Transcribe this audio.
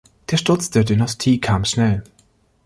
Der Sturz der Dynastie kam schnell.